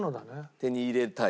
手に入れたい。